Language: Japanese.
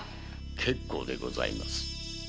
結構でございます。